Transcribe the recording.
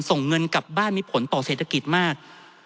ส่งเงินกลับบ้านมีผลต่อเศรษฐกิจมาก